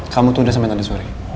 kamu tunda sama tanda suri